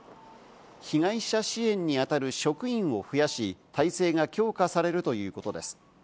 被害者支援に当たる職員を増やし、体制が強化されるということです。